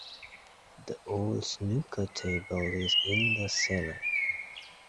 The old snooker table is in the cellar.